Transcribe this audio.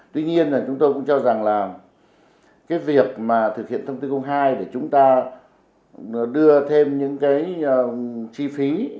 tuy nhiên là chúng tôi cũng cho rằng là cái việc mà thực hiện thông tư hai để chúng ta đưa thêm những cái chi phí